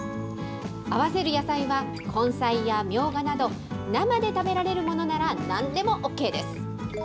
合わせる野菜は根菜やみょうがなど、生で食べられるものならなんでもオーケーです。